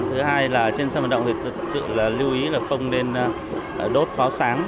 thứ hai là trên sân vận động thực sự lưu ý là không nên đốt pháo sáng